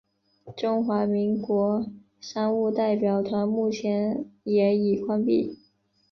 中华民国商务代表团目前也已关闭。